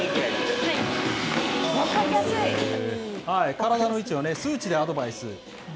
体の位置を数値でアドバイス。